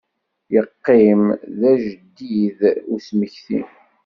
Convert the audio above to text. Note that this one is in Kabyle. Yeqqim d ajedid usmekti.